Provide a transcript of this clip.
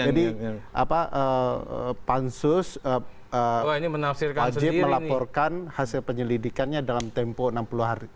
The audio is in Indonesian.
jadi pansus wajib melaporkan hasil penyelidikannya dalam tempo enam puluh hari